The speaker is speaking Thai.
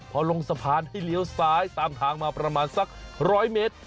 พอลงสะพานให้เหลียวซ้ายประมาณ๑๐๐เมตร